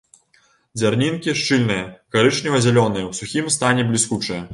Дзярнінкі шчыльныя, карычнева-зялёныя, у сухім стане бліскучыя.